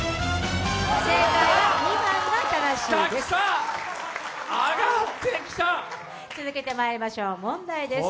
正解は２番が正しいです。